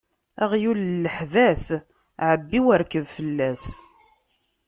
Aɣyul n leḥbas, ɛebbi u rkeb fell-as.